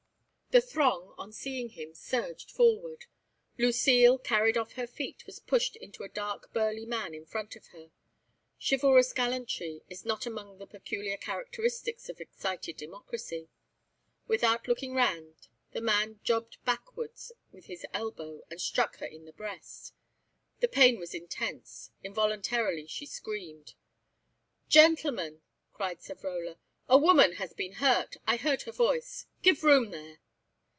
The throng, on seeing him, surged forward. Lucile, carried off her feet, was pushed into a dark burly man in front of her. Chivalrous gallantry is not among the peculiar characteristics of excited democracy. Without looking round the man jobbed backwards with his elbow and struck her in the breast. The pain was intense; involuntarily she screamed. "Gentlemen," cried Savrola, "a woman has been hurt; I heard her voice. Give room there!"